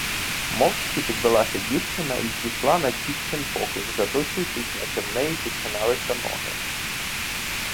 Мовчки підвелася дівчина й пішла на тітчин поклик, заточуючись, наче в неї підгиналися ноги.